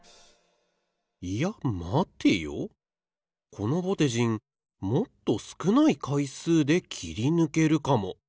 このぼてじんもっとすくないかいすうで切りぬけるかも。